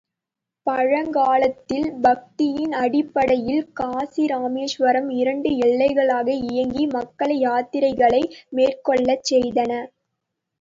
பழங்காலத்தில் பக்தியின் அடிப்படையில் காசி இராமேஸ்வரம் இரண்டு எல்லைகளாக இயங்கி மக்களை யாத்திரைகளை மேற்கொள்ளச் செய்தன.